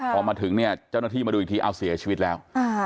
พอมาถึงเนี่ยเจ้าหน้าที่มาดูอีกทีเอาเสียชีวิตแล้ว